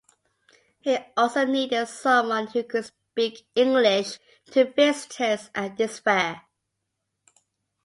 He also needed someone who could speak English to visitors at this fair.